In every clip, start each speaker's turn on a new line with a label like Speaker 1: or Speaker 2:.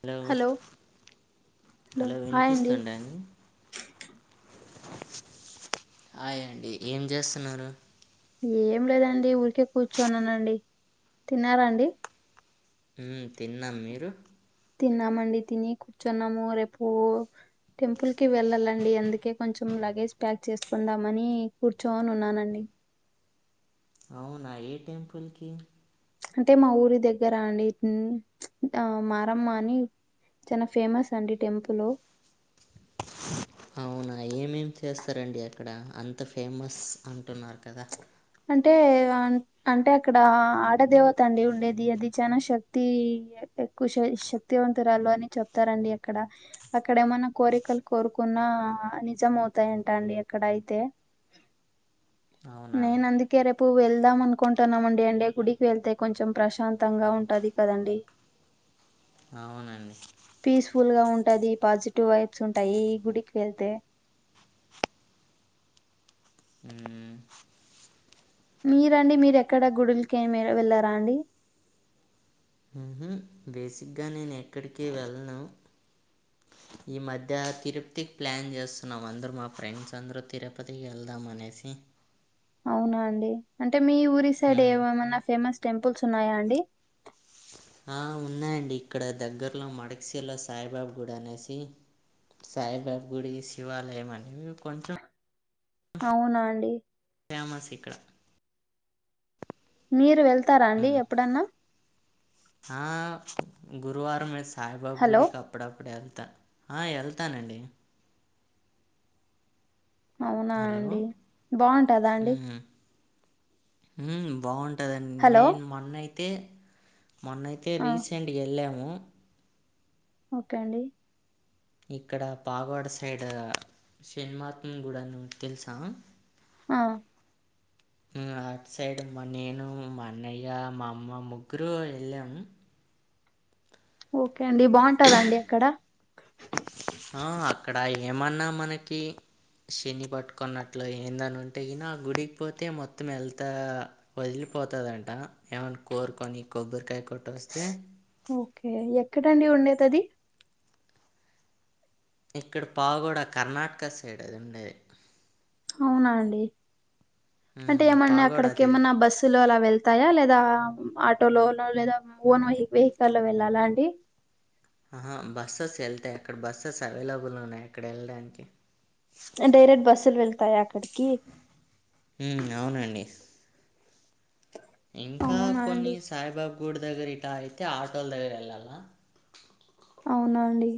Speaker 1: Hello hello వినిపిస్తుండ అండి. Hi అండి ఏం చేస్తున్నారు.
Speaker 2: ఏం లేదండి ఊరికే కూర్చోనినండి తిన్నారా అండి.
Speaker 1: ఉ తిన్నాం మీరు
Speaker 2: తిన్నా మండి తిని కూర్చొన్నము రేపు టెంపుల్ కి వెళ్ళాలండి అందుకే కొంచెం లగేజ్ ప్యాక్ చేసుకుందామని కూర్చోని ఉన్నానండి
Speaker 1: అవునా ఏ టెంపుల్కి
Speaker 2: అంటే మా ఊరి దగ్గర అండి ఆ మారమ్మ అని చానా ఫేమస్ అండి టెంపుల్
Speaker 1: అవునా ఏమేం చేస్తారండి అక్కడ అంత ఫేమస్ అంటున్నారు కదా
Speaker 2: అంటే ఆ అంటే అక్కడ ఆడదేవత అండి ఉండేది అది చనా శక్తి ఎక్కువ శ శక్తివంతురాలు అని చెప్తారండి అక్కడ అక్కడ ఏమన్నా కోరికలు కోరుకున్నా నిజంవుతాయంట అండి అక్కడ అయితే
Speaker 1: అవునా
Speaker 2: నేను అందు కే రేపు వెళ్దాం అనుకుంటున్నామండి అంటే గుడికి వెళ్తే కొంచెం ప్రశాంతంగా ఉంటది కదండి
Speaker 1: అవునండి
Speaker 2: పీస్ఫుల్ గా ఉంటది పాజిటివ్ వైబ్స్ ఉంటాయి ఈ గుడికి వెళ్తే
Speaker 1: హుమ్
Speaker 2: మీరండి మీరు ఎక్కడ గుడులుకి ఏం వెళ్ళరా అండి
Speaker 1: బేసిక్గా నేను ఎక్కడికి వెళ్ళను ఈ మధ్య తిరుప్తికి ప్లాన్ చేస్తున్నాం అందరు మా ఫ్రెండ్స్ అందరు తిరుపతికి వెళ్దాం అనేసి
Speaker 2: అవునా అండి అంటే మీ ఊరి సైడ్
Speaker 1: మ్మ్
Speaker 2: ఏమమన్నా ఫేమస్ టెంపుల్స్ ఉన్నాయా అండి
Speaker 1: ఆ ఉన్నాయండి ఇక్కడ దగ్గరలో మడక్సిీలో సాయిబాబ గుడనేసి సాయిబాబ గుడి శివాలయం అనేవి కొంచెం
Speaker 2: అవునా అండి
Speaker 1: ఫేమస్ ఇక్కడ
Speaker 2: మీరు వెళ్తారా అండి ఎప్పుడన్నా
Speaker 1: హ గురువారం మే సాయిబాబ
Speaker 2: హలో
Speaker 1: గుడి అప్పుడప్పుడు వెళ్తా ఆ వెళ్తానండి
Speaker 2: అవునా
Speaker 1: హలో
Speaker 2: అండి బాగుంటదా అండి
Speaker 1: ఉ బాగుంటదండి
Speaker 2: హలో
Speaker 1: నేను మొన్నయితే మొన్నయితే
Speaker 2: ఆ
Speaker 1: రీ సెంట్గా వెళ్ళాము
Speaker 2: ఓకే అండి
Speaker 1: ఇక్కడ పాగవాడ సైడ్ శనీమాతం గుడి తెలుసా
Speaker 2: ఆ
Speaker 1: అట్ సైడ్ మా నేను మా అన్నయ్య మా అమ్మ ముగ్గురు వెళ్ళాము
Speaker 2: ఓకే అండి బాగుంటాదండి అక్కడ
Speaker 1: ఆ అక్కడ ఏమన్నా మనకి శని బట్టుకున్నట్లు ఎందన్నంటే ఇనా గుడికి పోతే మొత్తం ఏళ్తా వదిలిపోతదంట ఏమ్న కోరుకొనీ కొబ్బరికాయి కొట్టొస్తే
Speaker 2: ఓకే ఎక్కడండి ఉండేదాది
Speaker 1: ఇక్కడ పావుగూడ కర్ణాటక సైడ్ అది ఉండేది
Speaker 2: అవునా అండి అంటే
Speaker 1: మ్మ్
Speaker 2: ఏమన్నా
Speaker 1: పాగోడ తెల్
Speaker 2: అక్కడకేమన్నా బస్సు లు అలా వెళ్తాయా లేదా ఆటోలోనో లేదా ఓన్ వె వెయికెల్లో వెళ్ళాలా అండి
Speaker 1: ఆహా బస్సెస్ ఏళ్తాయి అక్కడ బస్సెస్ అవైలబుల్ ఉన్నాయి అక్కడ వెళ్ళడానికి
Speaker 2: డైరెక్ట్ బస్సులు వెళ్తాయా అక్కడికి
Speaker 1: మ్మ్ అవునండి ఇంకా
Speaker 2: అవునా అండి
Speaker 1: కొన్ని సాయిబాబ్ గూడి దగ్గర గిట్ట ఆగితే ఆటో దగ్గర ఎల్లాల్ల్న
Speaker 2: అవునండి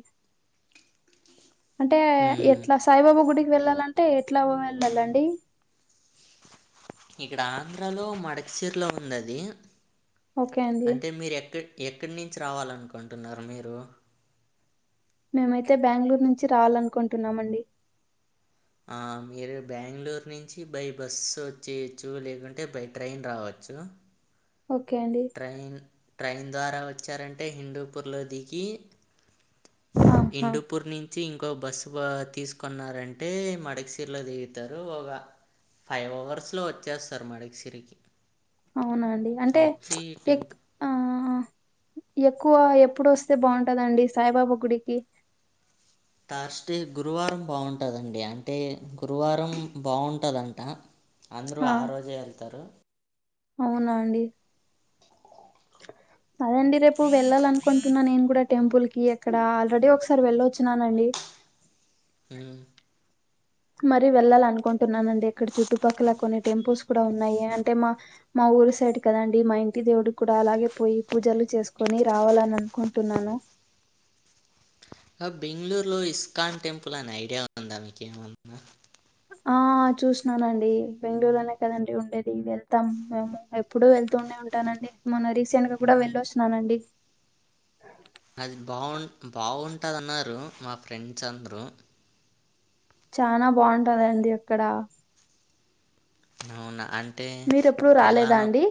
Speaker 2: అంటే
Speaker 1: మ్మ్
Speaker 2: ఎట్లా సాయిబాబా గుడికి వెళ్ళాలంటే ఎట్లా వ వెళ్ళాలండి
Speaker 1: ఇక్కడ ఆంధ్రలో మడక్చర్లో ఉన్నది
Speaker 2: ఓకే అండి
Speaker 1: అంటే మీరు ఎక్కడ ఎక్కన్నించి రావాలన్కుంటున్నారు మీరు
Speaker 2: మేమైతే బ్యాంగ్ ళూరు నుంచి రావాలన్కుంటున్నామండి.
Speaker 1: ఆ మీరు బాంగ్ ళూరు నుంచి బై బస్సు ఒచ్చేయచ్చు లేకుంటే బై ట్రైన్ రావచ్చు
Speaker 2: ఓకే అండి
Speaker 1: ట్రైన్ ట్రైన్ ద్వారా వచ్చారంటే హిందూపూర్లో దిగి
Speaker 2: ఆహా!
Speaker 1: హిందూపూర్ని చ్చి ఇంకో బస్సు వ తీసుకున్నారంటే మడికశిరిలో దిగుతారు ఒగా ఫైవ్ అవర్స్ లో వచ్చేస్తారు మడిస్కిరికి
Speaker 2: అవునండి అంటే ఎక్
Speaker 1: టెంప్
Speaker 2: ఆ హాఎక్కువ ఎప్పుడు ఒస్తే బాగుంటదండి సాయిబాబా గుడికి
Speaker 1: థర్స్డే గురువారం బాగుంటదండి అంటే గురువారం బాగుంటదంట అందరూ ఆ రోజే ఎళ్తారు
Speaker 2: అవునా అండి పదండి రేపు వెల్లాలన్ కొంటున్న నేను కూడా టెంపుల్ కి అక్కడ ఆల్రెడీ ఒకసారి వెళ్ళొచ్చినా నండి
Speaker 1: మ్మ్
Speaker 2: మరి వెళ్లాల్ అనుకుంటున్నానండి ఇక్కడ చుట్టుపక్కల కొన్ని టెంపుల్స్ కూడా ఉన్నాయి. అంటే మా మా ఊరు సైట్ కద అండి మా ఇంటి దేవుడు కూడా అలాగే పోయి పూజలు చేసుకోని రావాలనీ అన్కుంటున్నాను.
Speaker 1: ఆ బెంగుళూరులో ఇస్కాన్ టెంపుల్ అనే ఐడియా ఉందా మీకేమన్నా
Speaker 2: ఆ చూస్నానండీ బెంగుళూరులోనే కదండి ఉండేది వెళ్తాం మేము ఎప్ ఎప్పుడు వెళ్తూనే ఉంటానండి మొన్న రీసెంట్ గా కూడా వెళ్ళొచ్చినా నండి
Speaker 1: అది బావన్ బాగుంటదన్నారు మా ఫ్రెండ్స్ అందరూ
Speaker 2: చానా బాగుంటందండి అక్కడ
Speaker 1: నౌన అంటే
Speaker 2: మీరెప్పుడు రాలేదా
Speaker 1: ఎలానో
Speaker 2: అండి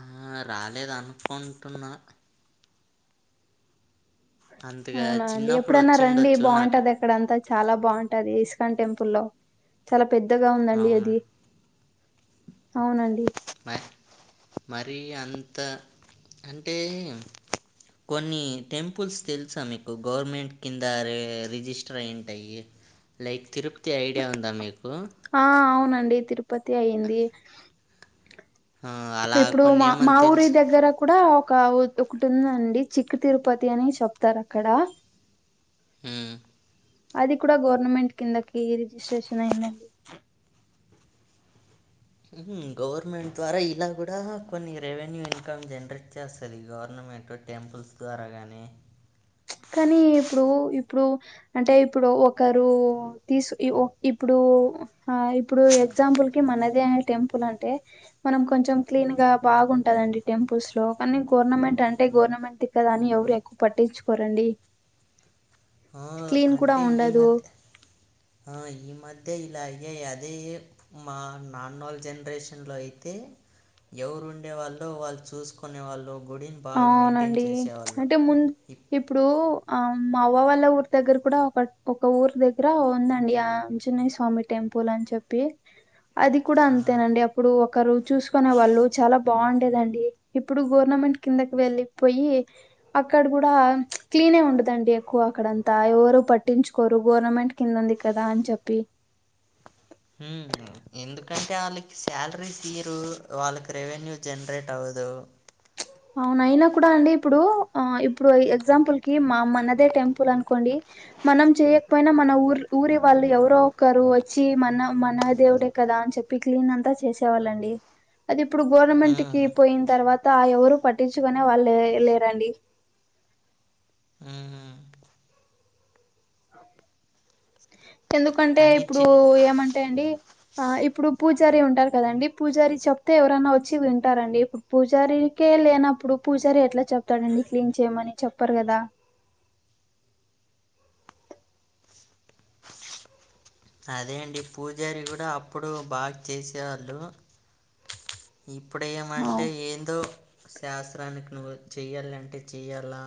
Speaker 1: ఆ రాలేదనుకుంటున్నా అంతగా
Speaker 2: అవునా అండి
Speaker 1: చిన్నప్పుడు
Speaker 2: ఎప్పుడైనా రండి
Speaker 1: వచ్చిండొచ్చు నాకు
Speaker 2: బాగుంటంది ఇక్కడంతా చాలా బాగుంటది ఇస్కాన్ టెంపుల్లో చాలా పెద్దగా ఉందండి
Speaker 1: అవునా?
Speaker 2: అది అవునండి
Speaker 1: మే మరీ అంత అంటే కొన్ని టెంపుల్స్ తెల్సా మీకు గవర్నమెంట్ కింద రే ఎ రిజిస్టర్ అయింటాయి లైక్ తిర్పత్తి ఐడియా ఉందా మీకు
Speaker 2: ఆ అవునండి తిరుపతి అయింది
Speaker 1: ఆ అలా
Speaker 2: ఇప్పుడు మా మా
Speaker 1: కొన్నేమన్నా
Speaker 2: ఊరి
Speaker 1: తెలుసా?
Speaker 2: దగ్గర కూడా ఒక ఉత్ ఒకటుందండి చిక్క తిరుపతి అని చెప్తారు అక్కడ
Speaker 1: ఊమ్
Speaker 2: అది కూడా గవర్నమెంట్ కిందకి రిజిస్ట్రేషన్ అయిందండి
Speaker 1: హుహు గవర్నమెంట్ ద్వారా ఇలా కూడా కొన్ని రెవెన్యూ ఇన్కమ్ జనరేట్ చేస్తది గవర్నమెంట్ టెంపుల్స్ ద్వారా గాని
Speaker 2: కానీ ఇప్పుడు ఇప్పుడు అంటే ఇప్పుడు ఒకరు తీసు ఇవో ఇప్పుడు ఆ ఇప్పుడు ఎగ్జాంపుల్ కి మనదే అనే టెంపుల్ అంటే మనం కొంచెం క్లీన్ గా బాగుంటదండి టెంపుల్స్ లో కానీ గవర్నమెంట్ అంటే గవర్నమెంట్ ది కదా అని ఎవరు ఎక్కు పట్టిచ్చుకోరా అండి
Speaker 1: ఆ అంటే ఈ మధ్య ఈ మధ్య ఇలాగే అదే మా నాన్నల జనరేషన్లో అయితే ఎవురు ఉండే వాళ్లు వాళ్ళు చూసుకునే వాళ్ళు గుడి
Speaker 2: ఆవునండి అంటే ముందు
Speaker 1: ఇప్
Speaker 2: ఇప్పుడు మా అమ్మ వల్ల ఊరి దగ్గర కూడా ఒక ఊరు దగ్గర ఉందండి ఆంజనేయస్వామి మమ్మీ టెంపుల్ అని చెప్పి అది కూడా
Speaker 1: ఆ,
Speaker 2: అంతేనండి అప్ప అప్పుడు ఒకరు చూసుకునే వాళ్ళు చాలా బాగుండేదండి ఇప్పుడు గవర్నమెంట కిందకి వెళ్ళిపొయ్యి అక్కడ కూడా క్లీన్ ఉండదండి ఎక్కువ అక్కడంతా ఎవరో పట్టించుకోరు గవర్నమెంట్ కింద ఉంది కదా అని చెప్పి
Speaker 1: హూమ్ ఎందుకంటే వాళ్ళకి శాలరీస్ ఇయ్యరు వాళ్ళకి రెవెన్యూ జనరేట్
Speaker 2: అవునైనా కూడా అండి ఇప్పుడు ఎగ్జాంపుల్ కి మనదే టెంపుల్ అనుకోండి మనం చేయకపోయినా మన ఊరు ఊరి వాళ్ళు ఎవరో ఒకరు వచ్చి మన మన దేవుడే కదా అని చెప్ క్లీన్ అంతా చేసేవాళ్లండి ఇప్పుడు గవర్నమెంట్ కి
Speaker 1: హ్మ్,
Speaker 2: పోయిన తర్వాత ఎవరు పట్టించుకునే వాళ్లు లేరండి
Speaker 1: హుంహు
Speaker 2: ఎందుకంటే
Speaker 1: కానీ
Speaker 2: ఇప్పుడు
Speaker 1: చిన్న
Speaker 2: ఏమంటే అండి ఆ ఇప్పుడూ పూజారి ఉంటారు కదండి పూజారి చెప్తే ఎవరైనా వచ్చి వింటారండీ పూజారికే లేనప్పుడు పూజారి ఎట్లా చెప్తాడు అండి క్లీన్ చేయమని చెప్పరు కదా
Speaker 1: అదేంటి పూజారి కూడా అప్పుడు బాగు చేసే వాళ్ళు
Speaker 2: అవు
Speaker 1: ఇప్పుడేమంటే ఏందో శాస్త్రానికి నువ్వు చెయ్యాలంటే చేయాలా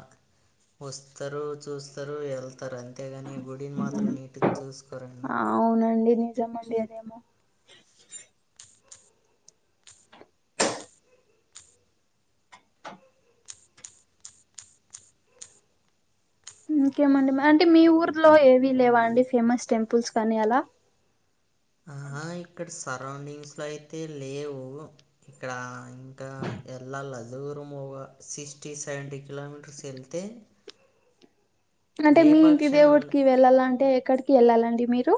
Speaker 1: వస్తారు చూస్తారు వెళ్తరు అంతేగాని గుడిని మాత్రం నీటిగా చూసుకోరు అండి
Speaker 2: అవునండి నిజంమండి అదే ఇంకేమండి మరి అంటే మీ ఊర్లో ఏమీ లేవండి ఫేమస్ టెంపుల్స్ కానీ అలా
Speaker 1: ఆ ఇక్కడ సరౌండింగ్ అయితే లేవు ఇక్కడ ఇంకా ఎల్లాల దూరము సిక్స్టీయ్ సెవెంటీ కిలోమీటర్స్ వెళ్తే
Speaker 2: అంటే మీ ఇంటి
Speaker 1: లేపాక్షి అని ఉంది
Speaker 2: దేవుడికి వెళ్ళాలంటే ఎక్కడికి వెళ్ళాలండి మీరు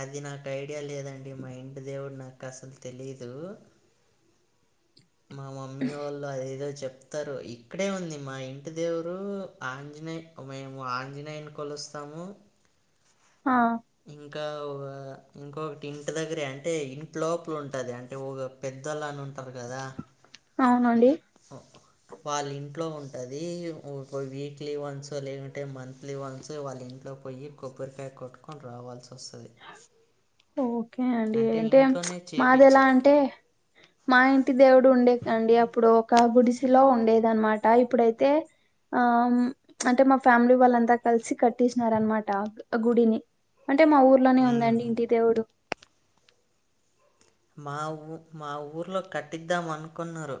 Speaker 1: అది నాకు ఐడియా లేదండి మా ఇంటి దేవుడు నాకు అసలు తెలీదు మా మమ్మీ వాళ్ళ ఏదో చెప్పు తరు ఇక్కడే ఉంది మా ఇంటిదేవరు ఆంజనేయ మేము ఆంజనేయుని కొలుస్తాము
Speaker 2: ఆ
Speaker 1: ఇంకా ఇంకొకటి ఇంటి దగ్గర అంటే ఇంట్లోపల ఉంటది అంటే ఒక పెద్దలను ఉంటారు కదా
Speaker 2: అవునండి
Speaker 1: ఒప్పుకో వాళ్ళింట్లో ఉంటది వీక్లీ వన్స్ లేదంటే మంత్లీ వన్స్ వాళ్ళ ఇంట్లో పోయ్యి కొబ్బరికాయ కొట్టుకొని రావల్సి వస్తది
Speaker 2: ఓకే అండి అంటే
Speaker 1: ఇంట్లోనే
Speaker 2: మాది
Speaker 1: చేపిచ్చి
Speaker 2: ఎలా అంటే మా ఇంటి దేవుడు ఉండే కండి అప్పుడు ఒక గుడిసెలో ఉండేది అనమాట ఇప్పుడైతే ఆ అంటే మా ఫ్యామిలీ వాళ్ళంతా కలిసి కట్టేసినారు అనమాట గుడిని అంటే మా ఊర్లోనే
Speaker 1: హ్మ్.
Speaker 2: ఉందండి ఇంటి దేవుడు
Speaker 1: మా ఊ మా ఊర్లో కట్టిద్దాం అనుకున్నారు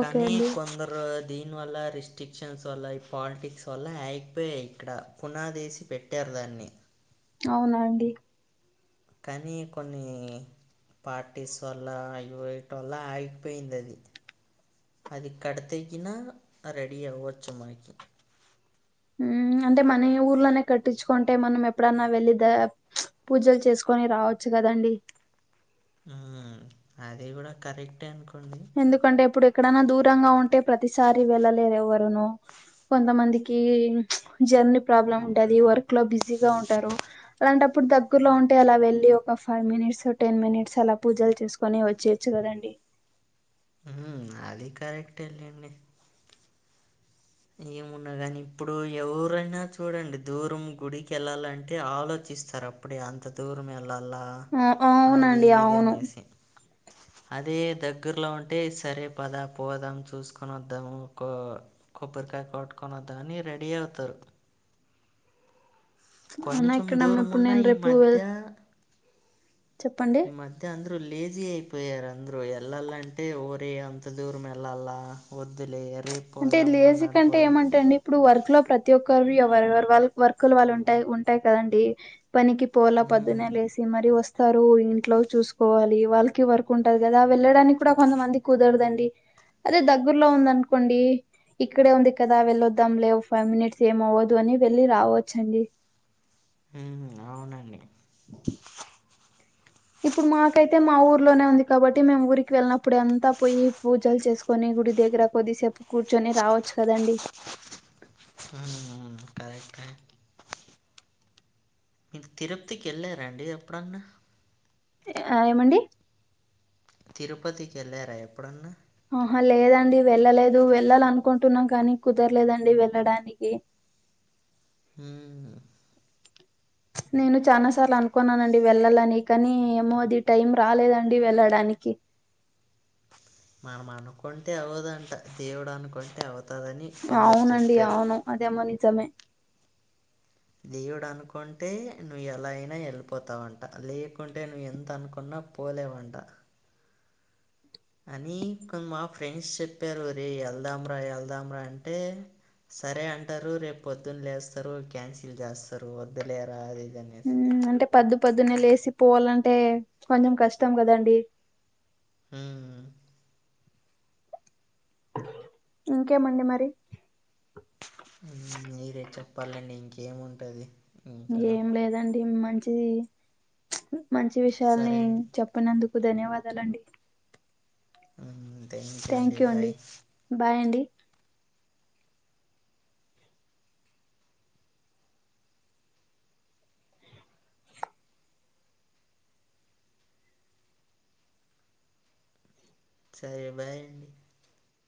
Speaker 2: ఓకే అండి
Speaker 1: కొందరు దీని వల్ల రిస్ట్రిక్షన్స్ వల్ల ఈ పాలిటిక్స్ వల్ల అయిపోయాయి ఇక్కడ పునాదేసి పె పెట్టారు దాన్ని
Speaker 2: అవున అండి
Speaker 1: కానీ కొన్నీ పార్టీస్ వల్ల ఇ యూత్ వల్ల ఆగిపోయింది అది అది కడితేగిన రెడీ అవ్వచ్చు మనకి
Speaker 2: ఉ అంటే మన ఊర్లోనే కట్టించుకుంటే మనం ఎప్పుడన్నా వెళ్ళిదా చ్ పూజలు చేసుకొని రావచ్చు గదండి
Speaker 1: ఆ అది గూడా కరెక్టే అనుకోండి
Speaker 2: ఎందుకంటే ఇప్పుడు ఎక్కడన్న దూరంగా ఉంటే ప్రతిసారి వెళ్ళలేరు ఎవరును కొంతమందికి జర్నీ ప్రాబ్లం ఉంటది వర్క్ లో బిజీ జీగా ఉంటారు అలాంటప్పుడు ద దగ్గరలో ఉంటే అలా వెళ్లి ఒక ఫైవ్ మినిట్స్ టెన్ మినిట్స్ అలా పూజలు చేసుకొని వచ్చేయచ్చు కదండి
Speaker 1: ఉ హు అది కరెక్టే లెండి ఏమున్నా గానీ ఇప్పుడు ఎవరైనా చూడండి దూరం గుడికి వెళ్ళాలంటే ఆలోచిస్తారు అప్పు అప్పుడు అంత దూరం వెళ్ళలా అది
Speaker 2: అవునండి
Speaker 1: ఇది
Speaker 2: అవును
Speaker 1: అనేసి అదే దగ్గరలో ఉంటే సరే పద పోదాం చూసుకొని వద్దాము ఒక కొబ్బరికాయ కొట్టుకొని వద్దామని రెడీ అవుతారు
Speaker 2: అనా
Speaker 1: కొంచం
Speaker 2: ఇక్కడ
Speaker 1: దూరం
Speaker 2: ఇప్పుడు
Speaker 1: ఉన్నా
Speaker 2: నేను
Speaker 1: ఈ
Speaker 2: రేపు
Speaker 1: మధ్య
Speaker 2: వెల్ చెప్పండి
Speaker 1: ఈ మధ్ ధ్య అందరూ లేజీ అయిపోయారు అందరుూ వెళ్ళాలంటే ఊరే అంత దూరం వెళ్ళాలా వద్దులే రేపు
Speaker 2: అంటే
Speaker 1: పోదాం
Speaker 2: లేజిక్
Speaker 1: మర్నాడు
Speaker 2: అంటే
Speaker 1: పోదాం
Speaker 2: ఏమంటా అండి ఇప్పుడు వర్క్ లో ప్రతి ఒక్కరు ఎవరెవరు వాళ్ళ వర్క్లు వాళ్ళు ఉంటాయి ఉంటాయి కదండి పనికి పోల
Speaker 1: మ్మ్
Speaker 2: పొద్దున లేసి మరి వస్ స్తారు ఇంట్లో చూసుకోవాలి వాళ్ళకి వర్క్ ఉంటది గదా వెళ్ళడానికి కూడా కొంతమందికి కుదరదండి అదే దగ్గర్లో ఉందనుకోండి ఇక్కడే ఉంది కదా వెళ్ళొద్దాం లేవు ఫైవ్ మినిట్స్ ఏమ అవ్వద్దు అని వెళ్లి రావచ్చండి
Speaker 1: ఉ అవునండి
Speaker 2: ఇప్పుడు మాకైతే మా ఊర్లోనే ఉంది కాబట్టి మేము ఊరికి వెళ్ళమ్ అప్పుడంతా పోయి పూజలు చేసుకొని గుడి దగ్గర కొద్దిసేపు కూర్చొని రావచ్చు కదండి
Speaker 1: ఆ హ కరెక్టే అండి మీ తిరుప్తికి వెళ్ళారండి ఎప్పుడన్నా
Speaker 2: ఏమండి
Speaker 1: తిరుపతికి వెళ్ళారా ఎప్పుడన్నా
Speaker 2: ఆహా లేదండి వెళ్ళలేదు వెళ్ళాల అనుకుంటున్నాం కానీ కుదరలేదండి వెళ్ళడానికి
Speaker 1: ఉమ్
Speaker 2: నేను చానా సార్లు అనుకున్నానండి వెళ్లాలని కానీ ఏమోది టైం రాలేదండి వెళ్ళడానికి
Speaker 1: మనం అనుకుంటే అవదంట దేవుడు అనుకుంటే అవుతదని
Speaker 2: అవునండి అవును అదేమో నిజమే
Speaker 1: దేవుడు అనుకుంటే నువ్వు ఎలా అయినా ఎళ్ళిపోతావంట లేకుంటే నీ ఎంత అనుకున్నా పోలేవంట అని కొ మా ఫ్రెండ్స్ సెప్పారు ఒరే ఎళ్దాంరా ఎళ్దాంరా అంటే సరే అంటారు రేపు పొద్దున లేస్తారు క్యాన్సిల్ చేస్తారు వద్దులేరా అది ఇది అని
Speaker 2: ఉమ్ అంటే పద్దు పొద్దునే లేసి పోవాలంటే కొంచం కష్టం గదండి
Speaker 1: ఉమ్
Speaker 2: ఇంకేమండి మరి
Speaker 1: మీరే చెప్పాలండి ఇంకేముంటది
Speaker 2: ఏం లేదండి మంచిది మంచి విషయాల్ని
Speaker 1: సరే అండి
Speaker 2: చెప్పినందుకు ధన్యవాదాలండి
Speaker 1: అయితే
Speaker 2: థ్యాంక్
Speaker 1: థ్యాంక్యూ
Speaker 2: యూ
Speaker 1: బాయ్
Speaker 2: అండి బాయ్ అండి
Speaker 1: సరే బాయ్